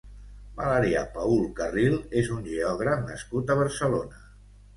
Valerià Paül Carril és un geògraf nascut a Barcelona.